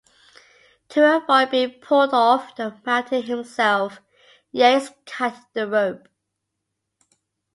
To avoid being pulled off the mountain himself, Yates cut the rope.